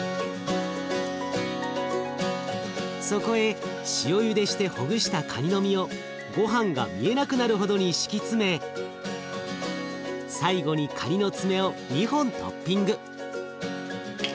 そこへ塩ゆでしてほぐしたかにの身をごはんが見えなくなるほどに敷き詰め最後にかにの爪を２本トッピング。